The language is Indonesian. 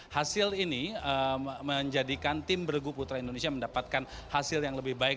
hasil ini menjadikan tim bergu putra indonesia mendapatkan hasil yang lebih baik